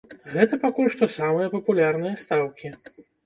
Гэта пакуль што самыя папулярныя стаўкі.